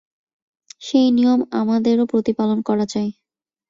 সেই নিয়ম আমাদেরও প্রতিপালন করা চাই।